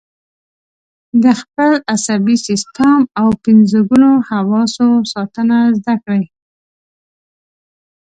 د خپل عصبي سیستم او پنځه ګونو حواسو ساتنه زده کړئ.